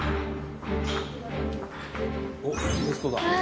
おっテストだ！